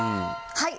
はい。